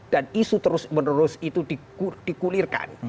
dan isu terus menerus itu di kulirkan